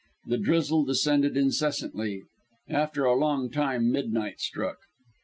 The drizzle descended incessantly. After a long time midnight struck.